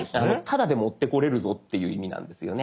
「タダで持ってこれるぞ」っていう意味なんですよね。